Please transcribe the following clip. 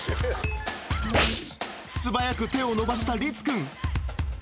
素早く手を伸ばした、理津君。